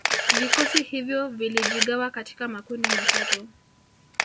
Vikosi hivyo vilijigawa katika makundi matatu